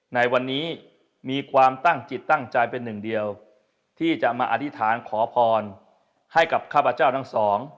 ในวันนี้มีความตั้งจิตตั้งใจเป็นหนึ่งเดียวที่จะมาอธิษฐานขอพรให้กับข้าพเจ้าทั้งสอง